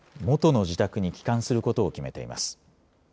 元の自宅に帰還することを決めています。